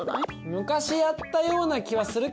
昔やったような気はするけどね。